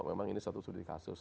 memang ini satu studi kasus